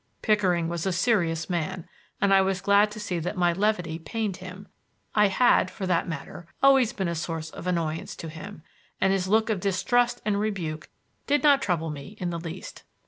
Pickering was a serious man, and I was glad to see that my levity pained him. I had, for that matter, always been a source of annoyance to him, and his look of distrust and rebuke did not trouble me in the least.